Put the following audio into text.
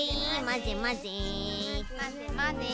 まぜまぜ。